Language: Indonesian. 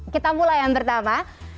kita mulai yang pertama